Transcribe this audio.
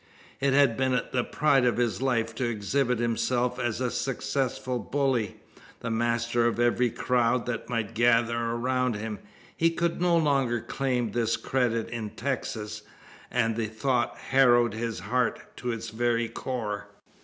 It had been the pride of his life to exhibit himself as a successful bully the master of every crowd that might gather around him. He could no longer claim this credit in Texas; and the thought harrowed his heart to its very core.